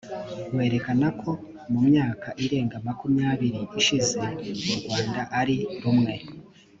werekana ko mu myaka irenga makumyabiri ishize u rwanda ari rumwe